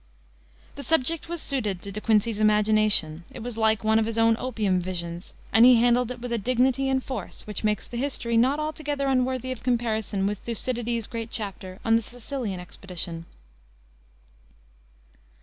The subject was suited to De Quincey's imagination. It was like one of his own opium visions, and he handled it with a dignity and force which make the history not altogether unworthy of comparison with Thucydides's great chapter on the Sicilian Expedition.